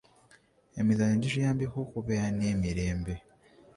emizannyo gituyambyeko okubeera n'emirembe